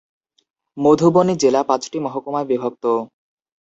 মধুবনী জেলা পাঁচটি মহকুমায় বিভক্ত।